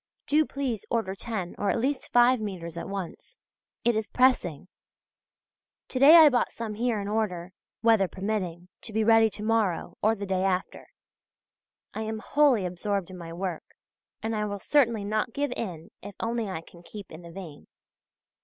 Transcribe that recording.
Do please order ten or at least five metres at once. It is pressing. To day I bought some here in order, weather permitting, to be ready to morrow or the day after. I am wholly absorbed in my work, and I will certainly not give in if only I can keep in the vein.